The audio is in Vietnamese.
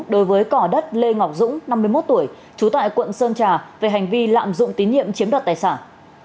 đối với cỏ đất lê ngọc dũng năm mươi một tuổi trú tại quận sơn trà về hành vi lạm dụng tín nhiệm chiếm đoạt tài sản